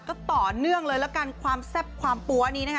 ก็ต่อเนื่องเลยละกันความแซ่บความปั๊วนี้นะคะ